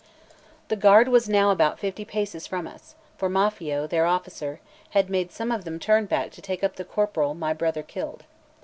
XLIX THE GUARD was now about fifty paces from us; for Maffio, their officer, had made some of them turn back to take up the corporal my brother killed.